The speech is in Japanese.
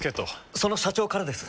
その社長からです。